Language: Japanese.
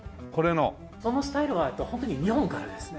そのスタイルはホントに日本からですね。